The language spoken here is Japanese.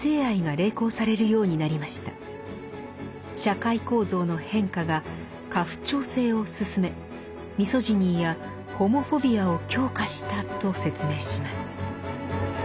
社会構造の変化が家父長制をすすめミソジニーやホモフォビアを強化したと説明します。